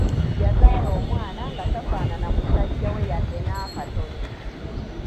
Yazaala omwana nga tafaanana musajja we yadde n'akatono.